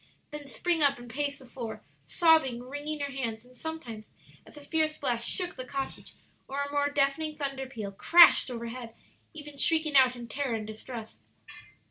then spring up and pace the floor, sobbing, wringing her hands, and sometimes, as a fierce blast shook the cottage or a more deafening thunder peal crashed over head, even shrieking out in terror and distress.